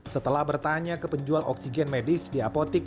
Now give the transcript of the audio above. setelah bertanya ke penjual oksigen medis di apotik